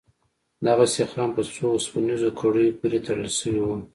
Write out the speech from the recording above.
دغه سيخان په څو وسپنيزو کړيو پورې تړل سوي وو.